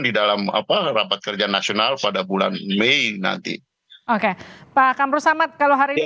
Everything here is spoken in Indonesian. di dalam apa rapat kerja nasional pada bulan mei nanti oke pak kamru samad kalau hari ini